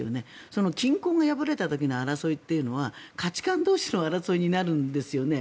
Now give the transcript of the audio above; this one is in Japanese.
その均衡が破られた時の争いというのは価値観同士の争いになるんですよね。